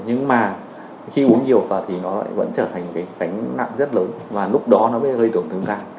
nhưng mà khi uống nhiều vào thì nó vẫn trở thành cái khánh nặng rất lớn và lúc đó nó mới gây tổn thương gan